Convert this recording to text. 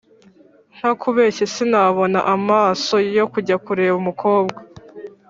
ntakubeshye sinabona amaso yo kujya kureba umukobwa